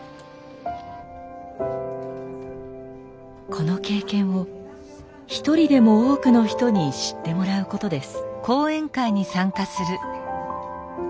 この経験を一人でも多くの人に知ってもらうことです。